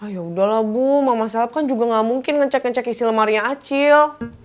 ya udahlah bu mama sahab kan juga gak mungkin ngecek ngecek isi lemarinya acil